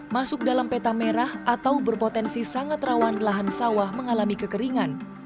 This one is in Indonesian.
masuk dalam peta merah atau berpotensi sangat rawan lahan sawah mengalami kekeringan